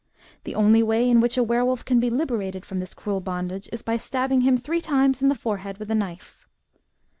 The only way in which a were wolf can be liberated from this cruel bondage, is by stabbing him three times in the forehead with a knife.